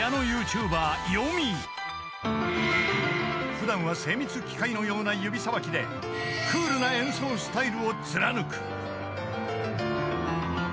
［普段は精密機械のような指さばきでクールな演奏スタイルを貫く］